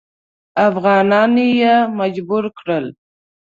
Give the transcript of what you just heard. افغانان یې مجبور کړل.